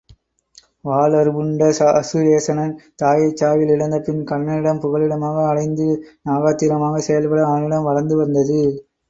வால் அறுப்புண்ட அசுவசேனன் தாயைச் சாவில் இழந்தபின் கன்னனிடம் புகலிடமாக அடைந்து நாகாத்திரமாகச் செயல்பட அவனிடம் வளர்ந்து வந்தது.